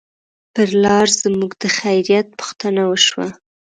پر لار زموږ د خیریت پوښتنه وشوه.